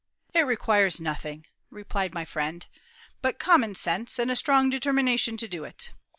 "It requires nothing," replied my friend, "but common sense, and a strong determination to do it.